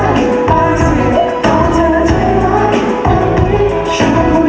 อย่างนั้นก็อยู่ตอนที่เขาโหล